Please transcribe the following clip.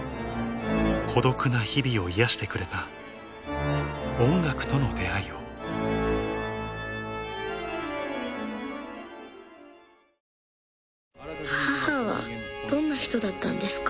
孤独な日々を癒やしてくれた音楽との出会いを母はどんな人だったんですか？